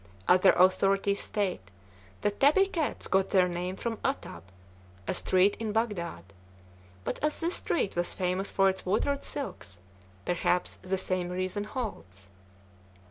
Other authorities state that tabby cats got their name from Atab, a street in Bagdad; but as this street was famous for its watered silks perhaps the same reason holds.